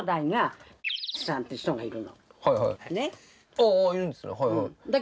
ああいるんですね。